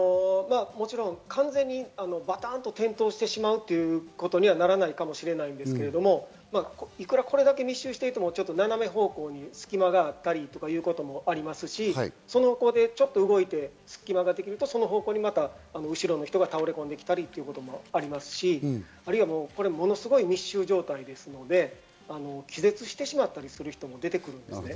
もちろん完全にバタンと転倒してしまうということにはならないと思うんですが、これだけ密集していても、ちょっと斜め方向に隙間があったりということもありますし、ちょっと動いて隙間ができると、その方向にまた人が倒れ込んできたりということもありますし、あるいはこれ、すごい密集状態ですので、気絶してしまったりする人も出てくるんです。